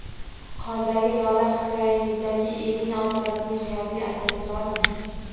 Qordagi lola hikoyangizdagi Irina obrazining hayotiy asosi bormi